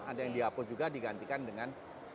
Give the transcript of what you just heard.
ada yang dihapus juga digantikan dengan